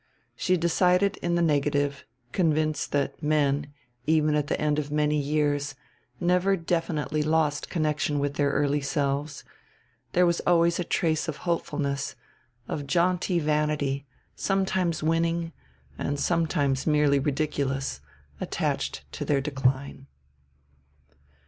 She decided in the negative, convinced that men, even at the end of many years, never definitely lost connection with their early selves, there was always a trace of hopefulness, of jaunty vanity sometimes winning and sometimes merely ridiculous attached to their decline.